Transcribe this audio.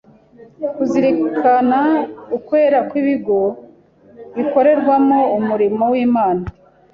Kuzirikana ukwera kw’ibigo bikorerwamo umurimo w’Imana